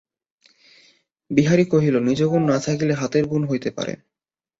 বিহারী কহিল, নিজগুণ না থাকিলেও হাতের গুণে হইতে পারে।